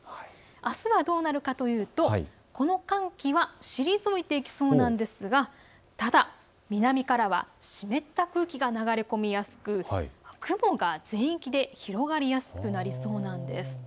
あすはどうなるかというとこの寒気は退いていきそうなんですが、ただ南からは湿った空気が流れ込みやすく雲が全域で広がりやすくなりそうなんです。